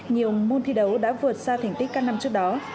nhiều môn thi đấu đã vượt xa thành tích các năm trước đó